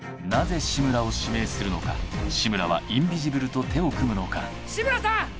なぜ志村を指名するのか志村はインビジブルと手を組むのか志村さん！